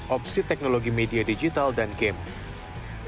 opsi teknologi media digital dan game